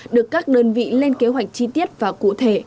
được các đơn vị lên kế hoạch chi tiết và cụ thể